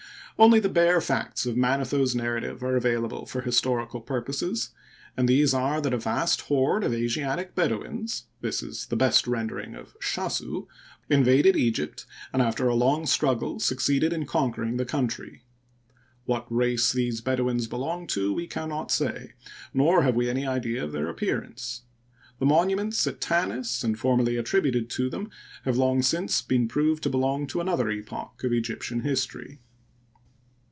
Only the bare facts of Manetho's narrative are available for histori cal purposes, and these are that a vast horde of Asiatic Bedouins (this is the best rendering of Shasu) invaded Egypt, and after a long struggle succeeded in conquering the country. What race these Bedouins belonged to we Digitized byCjOOQlC 64 HISTORY OF EGYPT. can not say, nor have we any idea of their appearance. The monuments found at Tanis and formerly attributed to them have long since been proved to belong to another epoch of Egyptian history.